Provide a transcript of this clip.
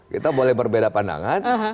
kita boleh berbeda pandangan